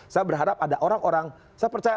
saya berharap ada orang orang saya percaya